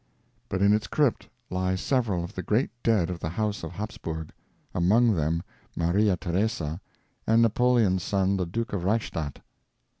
But in its crypt lie several of the great dead of the House of Habsburg, among them Maria Theresa and Napoleon's son, the Duke of Reichstadt.